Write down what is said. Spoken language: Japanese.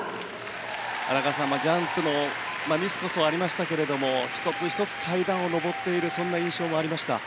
荒川さん、ジャンプのミスこそありましたが１つ１つ、階段を上っているそんな印象がありました。